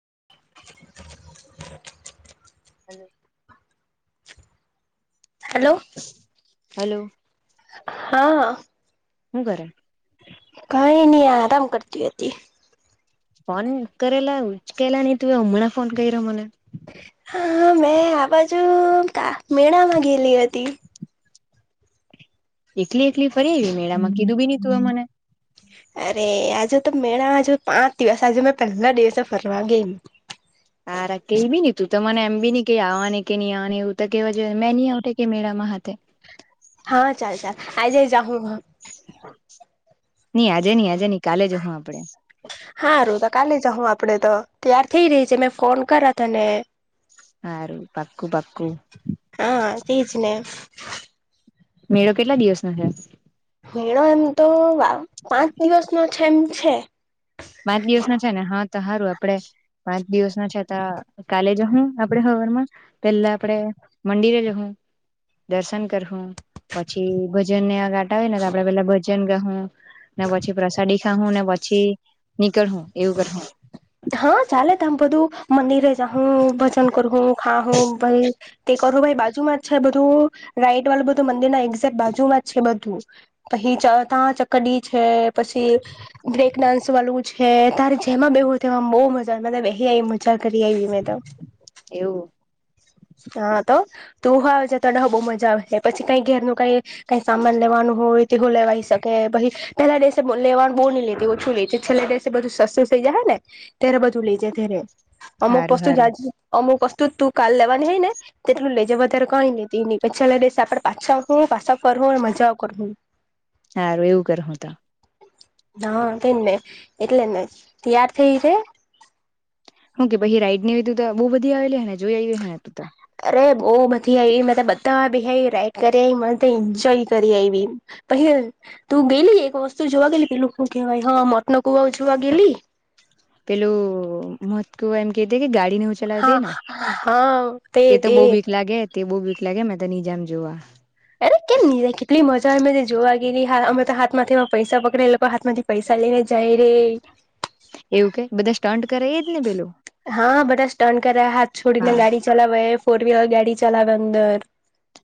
[inaudible] Hello. Hello. Hello. હા. હું કરે? કઈ નઈ આરામ કરતી હતી. ફોન કરેલા ઉચકેલા નહી તુએ અમણાં ફોન કર્યો મને હા મેં આ બાજુ તા મેળામાં ગેલી હતી. એકલી એકલી ફરી આયવી મેળામાં કીધું બી નહી તુંએ મને. અરે આજે તો મેળા બાજુ પાંચ દિવસ આજે મેં પહેલા દિવસે ફરવા ગેયલી. હારા કઈ પણ નહી કીધુ તો મને એમ બી કે આવવાની કે નહી આવવાની એવુ પણ કેવુ જોઈએ મે ની આવતી કે મેળામાં માં હાથે હા ચાલ ચાલ આજે જાઉં હ ની આજે ની આજે ની કાલે જ હું આપડે. હારુ તો કાલે જાહું આપડે તો ત્યાર થઈ રહી છે મેં ફોન કરા તને. હારું પાક્કું પાક્કું. હા એજ ને મેળો કેટલા દિવસ નો હોય મેળો એમ તો પાંચ દિવસનો છે એમ છે. પાંચ દિવસ ના છે ને હા તો હારું આપડે. પાંચ દિવસનો તો કાલે જવું આપડે હવારમાં પેલા આપડે મંદિરે જહું દર્શન કરહું પછી ભજન નેવા ગાતા હોય ને તો આપડે પેલા ભજન ગાહું. ને પછી પ્રસાદી ખાંવુ ને પછી નીકળ હું એવું કરહું. હા ચાલે તમ બધું મંદિરે જાઉં ભજન કરહું. હા હ ભાઈ તે કરો ભાઈ બાજુમાં છે બધું રાઈટ વાળું બધું મંદિર ના એક્ઝેક્ટ બાજુમાં જ છે બધું [unintelligible] ડી છે પછી બેંકડાન્સ વાળું છે તારે જેમાં બે તે બહુ મજા મેતો બેહી આયવી મજા કરી આયવી મેતો એવું [inaudible] હા તો તુ હો આવજે તને બહુ મજા આવે પછી કઈ ઘેર ન કઈ કઈ સામાન લેવાનું હોય. તે હું લેવાઈ શકે પહી પેલા દિવસે લેવાનું બહુ નહી લેતી ઓછું લેતી છેલ્લા દિવસે બધું સસ્તું થઇ જાહે ને ત્યારે બધું લેજે ત્યારે અમુક હારું વસ્તુ હારું અમુક વસ તું તું કાલ લેવાની હૈ ને તેટલું લેજે વધારે કઈને લેતી નહી છેલ્લા દિવસ એ આપડે પાછા હું પાછા કર હું મજા કરહું. હારું એવું કરહું ત. હા તેમ ને એટલે ને તૈયાર થઈ જા. હું તો પહી રાઈડને એ બહુ બધી આવેલી હને જોઈ આવીએ હને તુ ત. અરે બહુ બધી આવી મે બધા બી રાઈડ કરી આવી મ એન્જોય કરી આવી તું ગેલી એક વસ્તુ જોવા ગેલી પેલું શું કેવાય મોતનો કુવા જોવા ગેલી પેલું મોત કુવા એમ કે કે ગાડી ને હું હા ચલાવતી ને તે તો બહુ બીક લાગે તે બહુ બીક લાગે મે ત નીજામ જોવા અરે કેમ નહી કેટલી મજા જે જોવા ગીરી અમે તો હાથમાંથીમાં પૈસા પકડા એ લોકો હાથમાંથી પૈસા લઈને જાય રે એવું કે બધા સ્ટન્ટ કરે એજ ને પેલુ હા બધા સ્ટન્ટ કર્ય હાથ છોડીને હા ગાડી ચલાવે ફોર વ્હીલર ગાડી ચલાવે અંદર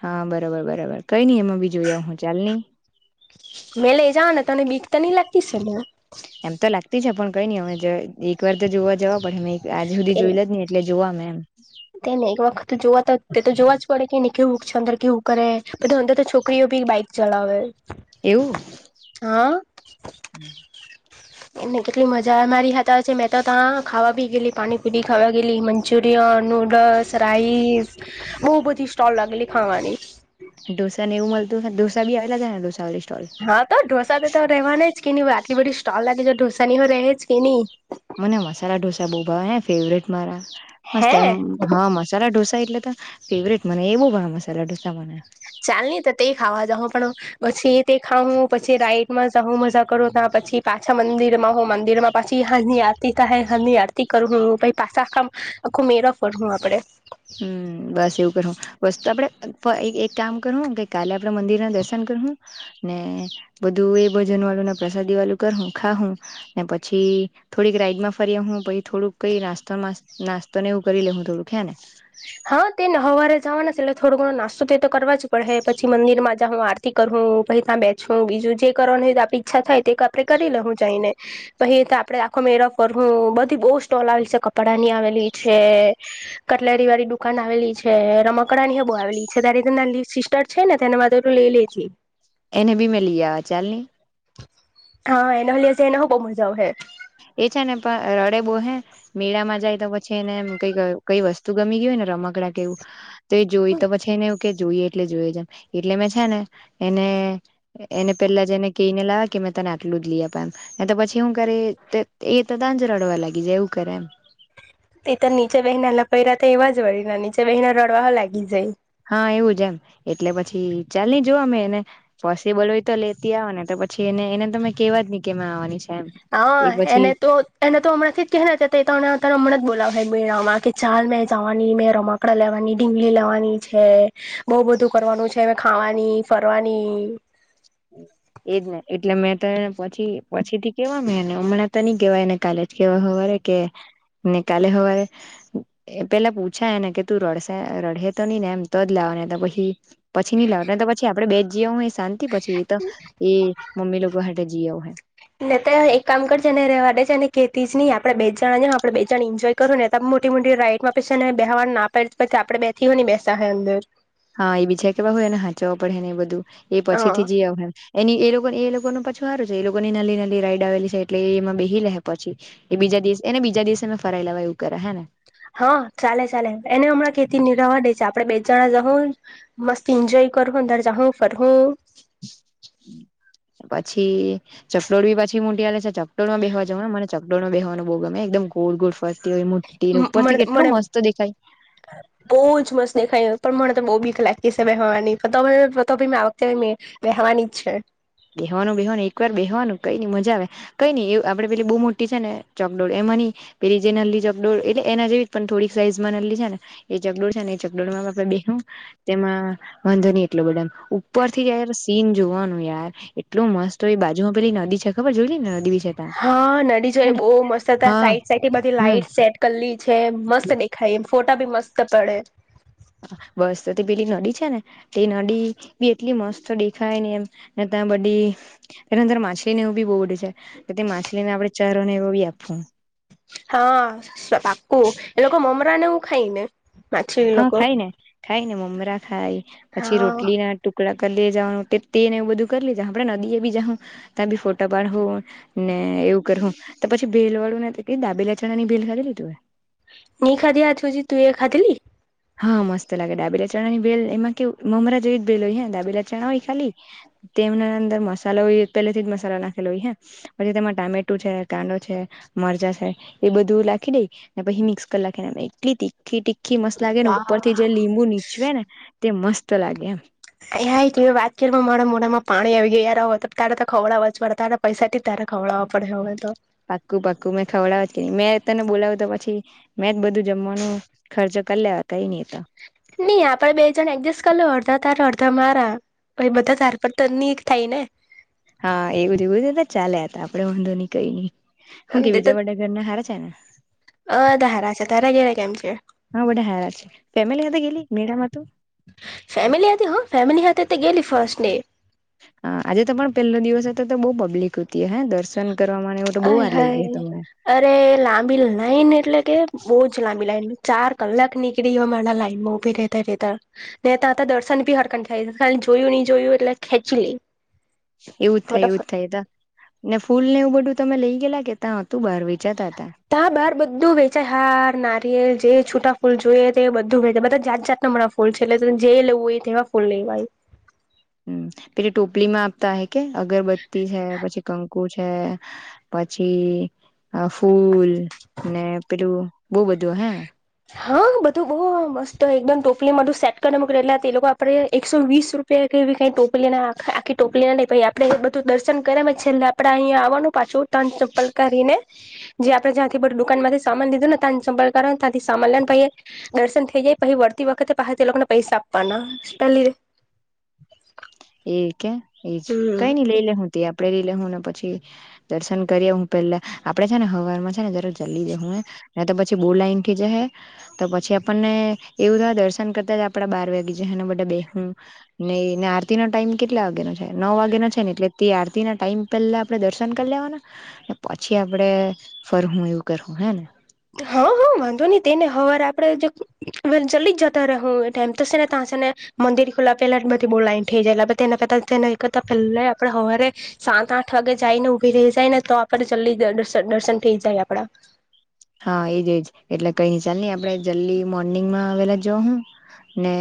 હા બરોબર બરોબર કઈ નઈ એમાં બી જોઈ આવુ હું ચાલને મેં લઈ જાવ ને તને બિકતો નહી લાગતી છે ને એમ તો લાગતી છે પણ કઈ નહી અમે એક વાર તો જોવા જવા પડે અમે આજ સુધી તેને જોઈ જ નહી એટલે જોવા મેં એમ તેને એક વખત જોવા તો તે તો જોવા જ પડે કે નહી કેવું છે અંદર કેવું કરે બધી અંદર તો છોકરીઓ બી બાઈક ચલાવે એવું હા [inaudible] કેટલી મજા અ મારી હતા છે મેં તો ત્યાં ખાવા બી ગયેલી પાણીપુરી ખાવા ગયેલી મંચુરિયનનું રસ રાઈસ બહુ બધી સ્ટોલ લાગેલી ખાવાની ઢોસાને એવું મલતું ઢોસા બી આવેલા હશે ને ઢોસા સ્ટોલ હા તો, ઢોસા તો તો રહેવાની જ કે આટલી બધી સ્ટોલ લાગે છે ઢોસા ની હ રહે જ કે નહી. મને મસાલા ઢોસા બહુ ભાવે ફેવટ મારા. મસ્ત એમ હે હા મસાલા ઢોસા એટલે ફેવરેટ મને એવું ભાવે મસાલા ઢોસા. મને ચાલને તો તે ખાવા હું પણ પછી તે ખાવું પછી રાઈટમાં જાહુ મજા કરું ત્યા પછી પાછા મંદિરમાં મંદિરમાં પાછી હાજની આરતી થાહે હાજની આરતી કરુ હુ પછી પાછા આખા, આખા મેળો ફર હું આપણે. હમ, બસ એવું કરવું બસ તો આપણે એક કામ કરું ગઈ કાલે આપણા મંદિરના દર્શન કરુંને બધું એ ભજન હું પ્રસાદી વાળું કરહુ, ખાવુને, પછી થોડીક રાઈડમાં ફરી આવી પછી થોડું કઈ નાસ્તો, નાસ્તો ને એવું કરી લે હું થોડું હે ને હા, તે ન હવારે જવાને એટલે, થોડો ઘણો નાસ્તો તે તો કરવા જ પડે પછી મંદિરમાં જાહું આરતી કરુંહું પછી ત્યાં બેસઠું બીજું જે કરવાનું હોય તો આપ ઈચ્છા થાય તે આપણે કરી લે હું જઈને પછી તો આપણે આખો મેળા ફર હું બહુ સ્ટોલ આવેલી છે કપડાની આવેલી છે લારીવાળી દુકાન આવેલી છે. રમકડાની બહુ આવેલી છે તારી નાનલી સિસ્ટર છે ને તેના માટે પણ લઈ લે. જી. એને બી મે લઈ આવા ચાલની. હા, એને લીધે હો બહૂ મજા આવ હે એ છે ને પણ રડે બો હે મેળામાં જાય તો પછી એને કઈ, કઈ વસ્તુ ગમી ગઈ હોય ને રમકડા કેવું, તે જોઈ તો પછી એને એવું કે જોઈએ. એટલે જોઈએ. એટલે મે છે ને એને, એને પેલા જેને કહીને લાવ કે મે તને આટલું લઈ આપા. એમ તો પછી શું કરે એ તો તાજ રડવા લાગી જાય એવું કરે એમ. તો નીચે બેહીને હલા પોયરા તે એવા જ હોય, નીચે બેસીને રડવા હો લાગી જાય. હા, એવું જ એમ. એટલે, પછી ચાલની જોવા મે એને પોસિબલ હોય તો લેતી આવાને પછી એને, એને મે કેવા જ ની કે મેં આવવાની છે. એમ હા, એ પછી એને તો એને તો હમણાંથી જ કેહેને તો તને હમણાં જ બોલાવશે. મેળામાં કે ચાલ મેં જવાની મેં રમાકડા લેવાની, ઢીઞલી લેવાની છે બઉ બધું કરવાનું છે. ખાવાની, ફરવાની એજ ને એટલે, મેં તેને પછી, પછીથી કેવાને હમણાં તો નહી કેવાયને કાલે જ કેવા સવારે. એ કે. ને કાલે હવારે એ પેલા પૂછા એને કે તું રડેશે રડેહે તો ની ને એમ તો જ લાવા. નેતો પછી, પછી નઈ લાવતા પછી આપડે બે જઈ આવશું તો શાંતિ પછી એ તો એ મમ્મી લોકો હાતે જીયાઓ હશે. ને તો એક કામ કરજેને રવા દે છે એને કેતી જ નહી આપડે બે જણા હજુ આપણે બે જણા એન્જોય કરહુને મોટી મોટી રાઈટમાં પછી છેને બેહેવા ના પડે પછી આપણે બેથી પણ નહીં બેસા હે અંદર હા, એ બીજા કેવા હોય એને હાચવવા પડે ને એ બધું એ પછી હા થી જ એની એ લોકો એ લોકોને પાછું સારું છે એ લોકોની નાલી નાલી રાઈડ આવેલી છે. એટલે એમાં બેહી લેહે પછી એ બીજા દિવસ એને બીજા દિવસે મે ફરાઈે લાવા એવું કરા હે ને. હા, ચાલે ચાલે. એને હમણાં કેેતી નિ રવાદે આપણે બે જણા જઉં મસ્ત એન્જોય કઈ કર હું, અંદર જાહું, ફર હું. પછી ચકડોળ બી પાછી મોટી આલે છે ચકડોળમાં બેહવા જવાને મને ચકડોળમાં બેવાનું બહુ ગમે એકદમ ગોળ ગોળ. ઉપર હોય, મોટી મને ઉપરથી કેટલું મને મસ્ત દેખાય. બહુ જ મસ્ત દેખાય પ્ણ મને તો બહુ બી લકી છે બેહવાની, તો બી મે આવતેની બેહવા નીચે. બેહવાનું, બેહવાનું એક વાર બેહવાનું કઈની મજા આવે કઈ નઈ એવું આપણે પેલી બહુ મોટી છે ને ચોકડોળ એમ. પેલી જે નલલી ચકડોળ. એટલે, એના જેવી પણ થોડીક સાઈઝમાં નલલી છે ને એ ચકડોળ છે ને ચકડોળ માં આપણે બેહુ તેમાં વાંધો નહી એટલો ધધું ઉપરથી જયાર સીન જોવાનું યાર. એટલું મસ્ત હોય બાજુમાં પેલી નદી છે ખબર, જોઈલીને નદી છે તા હા, નદી જોઈ હેને બહુ મસ્ત હતા હા સાઈડ, સાઈડ બધી હમ લાઈટ સેટ કરેલી. છે મસ્ત દેખાઈ ફોટા ભી મસ્ત પડે બસ તો તે પેલી નદી છે ને તે નદી બી એટલી મસ્ત દેખાય એમ બ એ અંદર માછલી ને એવું બી બહુડે છે તે માછલીને આપડણે ચરો ને એવો બી આપવું હા પાકુ એ લોકો મમરાને એું ખાય ને માછલી હા લોકો ખાય ને ખાય ને મમરા ખાય પછી હા રોટલી ના ટુકડા લે જવાનું તે ને એવું બધું કરી લે જા આપડે નદી એ બી જાાવ ત્યાં બી ફોટા પાડ ને એવું કરવું તો પછી ભલ વાળું ને દાબેલા ચણા ની ભેલ ખાલી લીધું હોય નિ ખાધી હજ પછી તું એ ખાધ લલી હા મસ્ત લાગે ડાબેલા ચણા ની બેલ એમાં કે મમરા જેવી જ બેલ હોય હ ડાબેલા ચણા હોય ખાલી તેમના અંદર મસાલો હોય પહેલે થી જ મસાલો નાખેલો હોય હ પછી તેમાં ટામેટો છે કાંંદો છે મરજા સા એ બધું લખી દઈ ને પછી મિક્સ કરી લખીને એટલી તીખી તીખી મસ્ત લાગે ને ઉપર થી જે લીંબુ નીચવે ને તે મસ્ત લાગે એમ હ ત વાત કર મારા મોઢમાં પાણી આવી ગયા હોય તો તારા તો ખવડા વચવાડ તારા પૈસા થી ખવળડા પડે હ હોય તો પાક્કું પાક્કુ મેં ખવડાવ કે ન મેં તને બોલાવ્યું તો પછી મેં જ બધું જમવાનું ખર્ચો કર લ્યા નહી આપડે બે જણ એડજસ્ટ કર અડધો તારે અડધા તમારા એ બધા ધાર પર તર એક થાય ને હા એવું એવુંધું ચાલ્યા હતા આપડે વાંધો નહી કઈ નઈ એમ હું કે તે તો બીજા વડાા ઘરના સારા છે ને અ ધારા છે તારા ગેલા કેમ છે હા બધ હેાર છે ફેમલી સાથે ગેલી મળમ તું ફેમ હથે હો ફેમ હાથે તે ગેલી ફર્્ટ ડે હા આજે તો પણ પેલો દિવસ હતો તો બહ પબ્લિક હત દર્શન કરવામાં અ હ ગયા તમને અરે લાંબી લાઈન એટલે કે બહુ જ લાંબી લાઈન ચાર કલાક નીકળી હોય મા લાઈનમાં ઉભી ર રહેતા રહેતા નેતા હતા દર્શની હરક જાય ખાલી જોયું નહી જોયું એટલે ખેંચી લે એવું થઈ એવું જ થઈ ને ફૂલ ને એવું બધું તમે લઈ ગેલા કે ત્યાં હતું બહાર વેચાતા હતા તા બાર બધું વેચાય હાર ના જે છૂટા ફૂલ જોઈએ તે બધું ભે બધા જાત જાતનામણાં ફૂલ છે એટલે જે લેવું હોય તેવા ફૂલ લેવાય હ હ પે ટોપલી માં આપતા હ કે અગરબત્તી છે પછી કંકુ છે પછી ફૂલ ને પેલું બહુ બધું હે હા બધું બઉુ મસ્ત એકદમ ટોપલીમાંધું સેટ કરીને મકટલા તે લોકો આપડે એકસો વીસ રૂપિયા વી કઈ ટોકલી આખી ટોકલી ના નહીઈ આપડે એ બધું દર્શન કર્યા છેલ્લે આપડે અહીંયા આવવાનું પાછું ત ચપ્પલ કરી ને જે આપણે ત્યાંથી બધું દુકાન માંથી સામાન લીધું ને તન સંભકરાર ત્યાથી સામાલ ભાઈ દર્શન થઈ જાય પછી વળતી વખતે તે લોકોને પૈસા આપવાના ચલી એ કે એજ કઈ નની લઈ લે હું તઈ આપુ પેરી લે હું ને પછી દર્શન કરી હું પેલા આપડે છે ને હવાનમાં છે ને જ જલ્લી જવાનું તો પછી બો લાઈન થી જશે તો પછી આપણને એવું થાય દર્શન કરતા જ આપડાે બાર વાગી જાય જે બા બેહુ નેને આરતીનો ટાઈમ કેટલા વાગ્યાનો છે નવ વાગ્યાનોો છે ને એટલે તે આરતી ના ટાઈમ પહેલા આપણે દર્શન કરી લેવા પછી આપડે ફરવું એવું કરવું હે ને હા હા વાંધો નહી તેને હવાર આપડે જલ્દી જ જતા રહું ટાઈમ તોશે ને તં ને મંદિર ખુલ્લા પેલા બધી બહુ લાઈન થઈ જાયના પને એક કરતા પેલા આપડે સવારે સાત આઠ વાગે જાય ને ઉઊભી રહી જાય ને તો આપે જલ્દી દર્શન થઇ જાય આપડા હા એજ એજ એટલે કઈ ન ચાલ નહી આપણે જલ્દી મોર્નિંગમાં આવેલા જો હું ને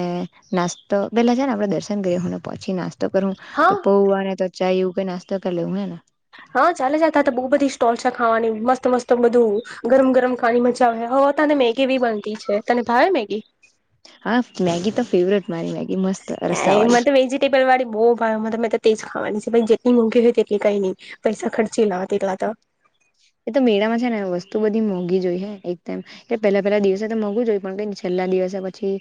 નાસ્તો પેલા જ ને આપણેે દર્ન ગને પહચી નાસ્તો તો કરવુ હા હું પૌવાને તો ચાય એવું કઈ નાસ્તો કર લેવું હે ને હા ચાલે જા તાત બોવ બધી સ્ટોલ છે ખાવાની મસ્ત મસ્ત બધું ગરમ ગરમ ખાવાની મજા આવે હ પોતાને મેગી બી બનતી છે તને ભાવે મેગી હા મેગી તો ફેવરેટ મારી મેગી મસ્ત રસ્સા એમા વાળી તો વેજીટેબલ વાળી બો ભાવે મને તેજ ખાવાની છે પહી જેટલી મોંઘી હોય તેટલી કઈ ની પૈસા ખર્ચી લેવા તેટલા તો એ તો મેળામાં છે ને વસ્તુ બધી મોંઘી જ હોય હે એકદમ એટલે પેલા પહેલા દિવસે તો મોંઘું જ હોય પણ કઈ છેલ્લા નાલી યોજના પછી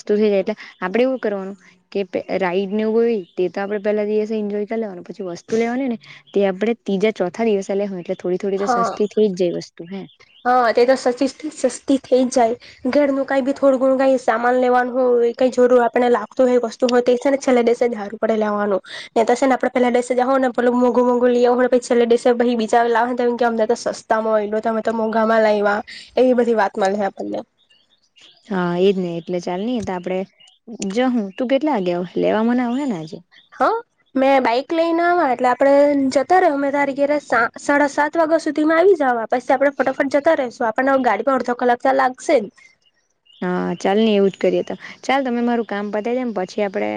સસ્તું થઈ જાય એટલે આપણેે એવું કરવાનું કે પે રાઈડને એવું બધું તેતો આપણે પેલા દિવસે ઈન્જોય કરી લેવાનું પછી વસ્તુ લેવાની હોયને તે આપણે ત્રીજા ચોથ દિવસે લેહુ એટલે થોડી થોડી તો સસ્તી થઈ જાય વસ્તુ હે હ તે તો સચીસથી સસ્તી થઈ જાય ઘરનું કઈ બી થોડું ગણુ કાય સામાન લેવાનું હોય કઈ જરૂર આપને લાગતું હોય વસ્તુ હોય તો છે ને છેલ્લે દિવસે જ હારું પડે લેવાનું ને તો છેને આપણે પેલા દિવસે જા હોવ ને પેલો મોઘું મોંઘું લે આવ હો ને પછી છેલ્લે દિવસે પહી બીજા લાવહેને કે અમને તો સસ્તામાં મયલુ એ તમે ત મોઘામાં લાયવા એવી બધી વાત મલ હે આપણને હા એજ ને એટલે ચાલની એતો આપડે જહુ તું કેટલા વાગે આવ હે લેવા મને આવ હેને હા મેં બાઈક લઈને આવા એટલે આપણે જતા રેહુ મે તારી ઘરે સા સાડા સાત વાગ્યા સુધીમાં આવી જવા પછી આપણે ફટાફટ જતા રેહશુ આપણને ગાડીમાં અડધો કલાક તો લાગશે જ હા ચાલને એવું જ કરીએ તો ચાલ તમે મારું કામ પતાવી દેમ પછી આપડે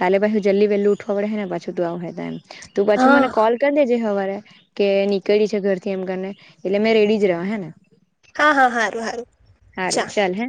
કાલે પાછુ જલ્દી વેલું ઉઠવા પડહેને પાછું તું આવે તો એમ તું પછી હા મને કોલ કરી દેજે હવારે કે નીકળી છે ઘરથી એમ કરીને એટલે મેં રેડી જ રેવા હેને હા હા હારું હારું હારું ચા ચાલ હે